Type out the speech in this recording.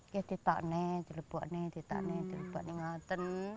ya di depan ini di depan ini di depan ini di depan ini ngaten